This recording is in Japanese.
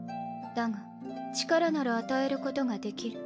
だが力なら与えることができる。